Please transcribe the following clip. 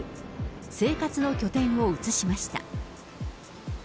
生活の拠点を移しました。